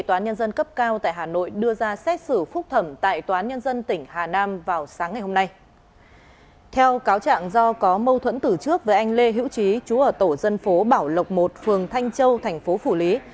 theo cáo trạng do có mâu thuẫn từ trước với anh lê hữu trí chú ở tổ dân phố bảo lộc một phường thanh châu tp phủ lý